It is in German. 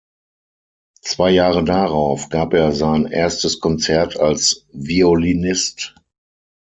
Zwei Jahre darauf gab er sein erstes Konzert als Violinist.